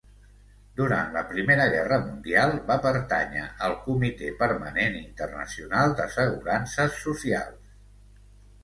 Durant la Primera Guerra Mundial va pertànyer al Comitè Permanent Internacional d'Assegurances Socials.